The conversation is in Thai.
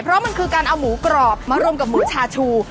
เพราะมันคือการเอาหมูกรอบมารวมกับหมูชาชู